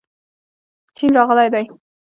چین راغلی دی.